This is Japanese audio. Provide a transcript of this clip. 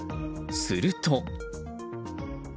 すると。